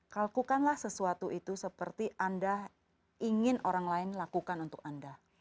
kalkukanlah sesuatu itu seperti anda ingin orang lain lakukan untuk anda